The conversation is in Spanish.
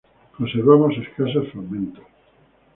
Conservamos escasos fragmentos.